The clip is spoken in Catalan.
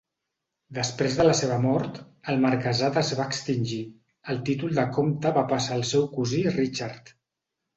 Després de la seva mort, el marquesat es va extingir; el títol de comte va passar al seu cosí Richard.